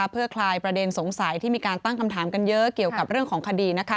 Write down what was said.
เพื่อคลายประเด็นสงสัยที่มีการตั้งคำถามกันเยอะเกี่ยวกับเรื่องของคดี